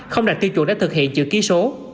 không đạt tiêu chuẩn để thực hiện chữ ký số